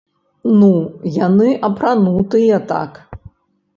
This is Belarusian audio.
Ну, яны апранутыя так.